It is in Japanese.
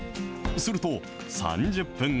すると、３０分後。